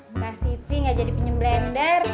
mbak siti ga jadi penyembender